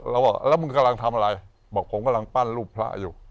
แล้วว่าแล้วมึงกำลังทำอะไรบอกผมกำลังปั้นรูปพระอยู่